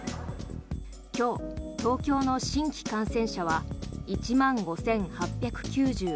今日、東京の新規感染者は１万５８９５人。